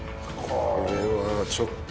これはちょっとすごい。